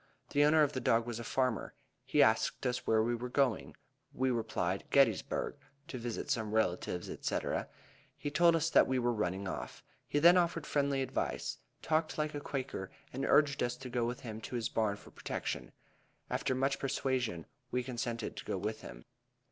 The owner of the dog was a farmer. He asked us where we were going. We replied to Gettysburg to visit some relatives, etc. He told us that we were running off. He then offered friendly advice, talked like a Quaker, and urged us to go with him to his barn for protection. After much persuasion, we consented to go with him.